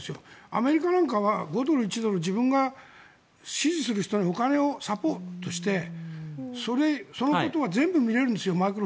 アメリカなんかは５ドル、１ドル自分が支持する人にお金をサポートしてそのことが全部見れるんです。